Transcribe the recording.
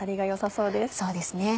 そうですね。